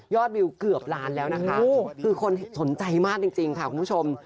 วิวเกือบล้านแล้วนะคะคือคนสนใจมากจริงค่ะคุณผู้ชม